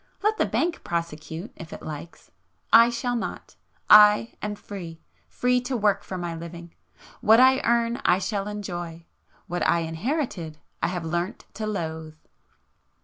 Let the bank prosecute if it likes,—I shall not. I am free!—free to work for my living. What I earn I shall enjoy,—what I inherited, I have learnt to loathe!"